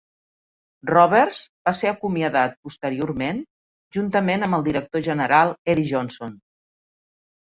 Roberts va ser acomiadat posteriorment, juntament amb el director general, Eddie Johnston.